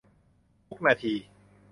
ทุกนาที